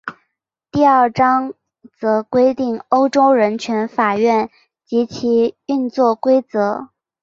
第二章则规定欧洲人权法院及其运作规则。